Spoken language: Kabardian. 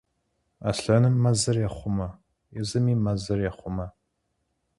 Аслъэным мэзыр ехъумэ, езыми мэзыр ехъумэ.